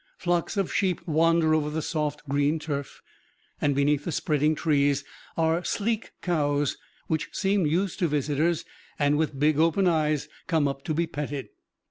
Flocks of sheep wander over the soft, green turf, and beneath the spreading trees are sleek cows which seem used to visitors, and with big, open eyes come up to be petted.